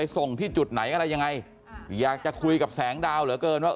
ส่งที่จุดไหนอะไรยังไงอยากจะคุยกับแสงดาวเหลือเกินว่า